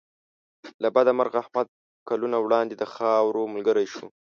له بده مرغه احمد کلونه وړاندې د خاورو ملګری شو.